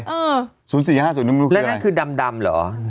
แล้วนั่นคือดำเหรอ